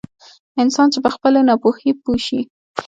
انسان چې په خپلې ناپوهي پوه شي.